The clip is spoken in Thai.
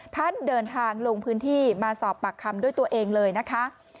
ท่านเดินทางลงพื้นที่มาสอบปากคำด้วยตัวเองเลยนะคะ